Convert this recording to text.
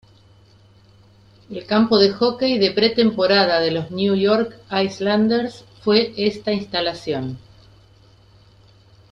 El campo de hockey de pretemporada de los New York Islanders fue esta instalación.